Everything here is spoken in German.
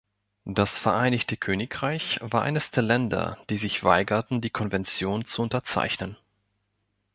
Das Vereinigte Königreich war eines der Länder, die sich weigerten, die Konvention zu unterzeichnen.